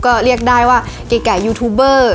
ก็เรียกได้ว่าเก๋ยูทูบเบอร์